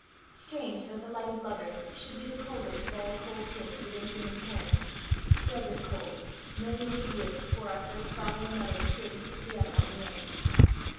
Strange that the light of lovers should be the coldest of all cold things within human ken dead with cold, millions of years before our first father and mother appeared each to the other on the earth!